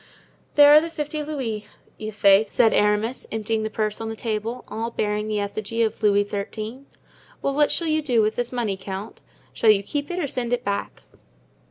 "There are the fifty louis, i'faith," said Aramis, emptying the purse on the table, all bearing the effigy of Louis XIII. "Well, what shall you do with this money, count? Shall you keep it or send it back?"